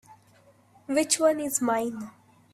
Which one is mine?